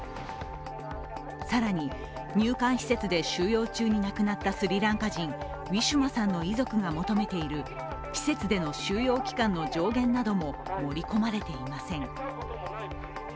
更に、入管施設で収容中に亡くなったスリランカ人、ウィシュマさんの遺族が求めている施設での収容期間の上限なども盛り込まれていません。